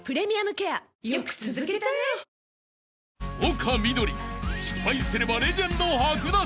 ［丘みどり失敗すればレジェンド剥奪！